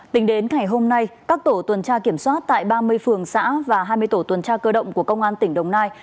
tính đến ngày hôm nay các tổ tuần tra kiểm soát tại ba mươi phường xã và hai mươi tổ tuần tra cơ động của công an tỉnh đồng nai